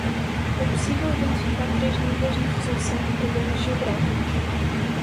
É possível identificar três níveis na resolução de problemas geográficos.